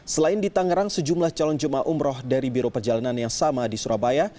selain di tangerang sejumlah calon jemaah umroh dari biro perjalanan yang sama di surabaya